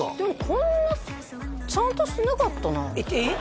こんなちゃんとしてなかったなえっ？